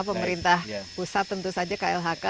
pemerintah pusat tentu saja klhk